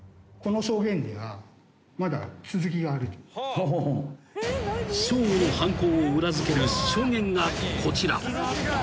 「ほうほうほう」［ＳＨＯＧＯの犯行を裏付ける証言がこちら］